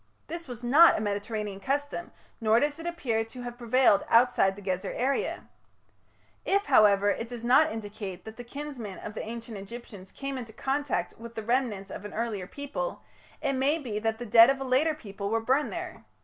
This was not a Mediterranean custom, nor does it appear to have prevailed outside the Gezer area. If, however, it does not indicate that the kinsmen of the Ancient Egyptians came into contact with the remnants of an earlier people, it may be that the dead of a later people were burned there.